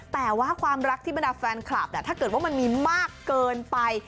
แต่ว่าความรักที่บรรดาแฟนคลับถ้าเกิดว่ามันมีมากเกินไป